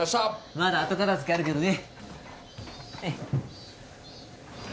まだ後片付けあるけどね